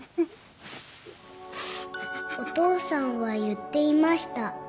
お父さんは言っていました。